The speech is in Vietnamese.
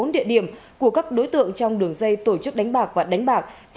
một mươi bốn địa điểm của các đối tượng trong đường dây tổ chức đánh bạc và đánh bạc